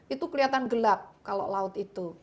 itu kelihatan gelap kalau laut itu